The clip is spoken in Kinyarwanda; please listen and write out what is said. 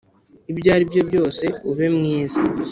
ibyo aribyo byose, ube mwiza.